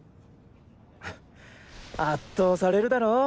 圧倒されるだろ？